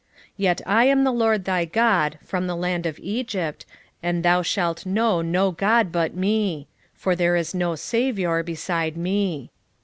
13:4 Yet I am the LORD thy God from the land of Egypt, and thou shalt know no god but me: for there is no saviour beside me.